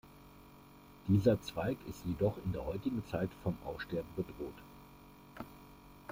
Dieser Zweig ist jedoch in der heutigen Zeit vom Aussterben bedroht.